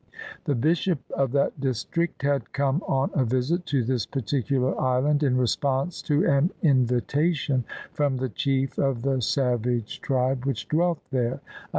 The Bishop of that district had come on a visit to this particular island in response to an invitation from the chief of the savage tribe which dwelt there — 2.